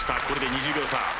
これで２０秒差。